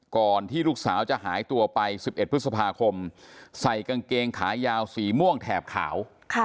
ก่อนที่ลูกสาวจะหายตัวไป๑๑พฤษภาคมใส่กางเกงขายาวสีม่วงแถบขาว